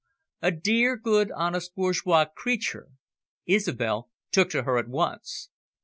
A dear good honest bourgeoise creature. Isobel took to her at once.